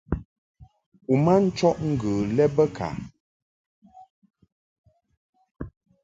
U ma nchɔʼ ŋgə lɛ bə ka ?